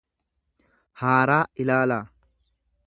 haaraa ilaalaa.